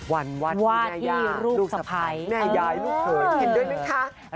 วันวัฒนีรูปสะพัยแม่ยายลูกเผยเห็นเดินหนึ่งค่ะ